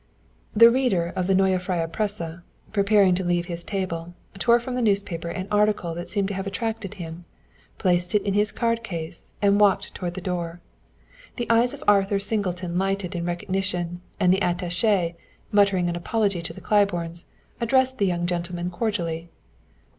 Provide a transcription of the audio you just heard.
The reader of the Neue Freie Presse, preparing to leave his table, tore from the newspaper an article that seemed to have attracted him, placed it in his card case, and walked toward the door. The eyes of Arthur Singleton lighted in recognition, and the attaché, muttering an apology to the Claibornes, addressed the young gentleman cordially.